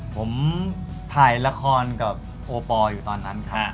ผมถ่ายละครกับโอปอลอยู่ตอนนั้นค่ะ